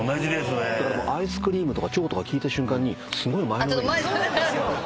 アイスクリームとかチョコとか聞いた瞬間にすごい前のめり。